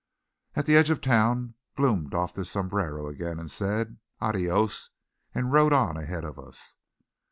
At the edge of town Blome doffed his sombrero again, said "Adios," and rode on ahead of us.